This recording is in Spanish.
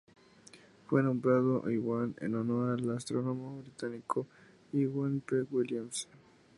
Fue nombrado Iwan en honor al astrónomo británico Iwan P. Williams.